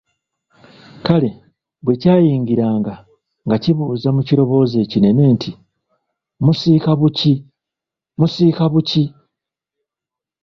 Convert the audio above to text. Kale bwekyayingiranga nga kibuuza mu kiroboozi ekinene nti, “musiika buki, musiika buki?